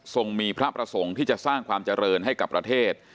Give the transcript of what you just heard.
ส่งมีพระประสงค์ที่จะสร้างความเจริญให้กับประเทศ